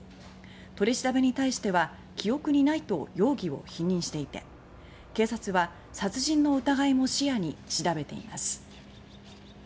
取り調べに対しては「記憶にない」と容疑を否認していて警察は殺人の疑いも視野に調べています。